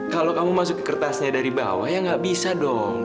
kalau kamu masukin kertasnya dari bawah ya gak bisa dong